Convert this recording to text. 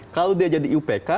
kalau dia jadi iupk